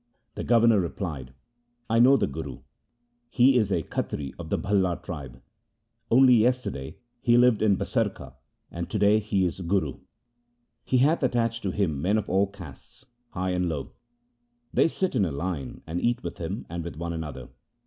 The governor replied, ' I know the Guru ; he is a Khatri of the Bhalla tribe. Only yesterday he lived in Basarka and to day he is Guru. He hath attached to him men of all castes, high and low. They sit in a line and eat with him and with one another.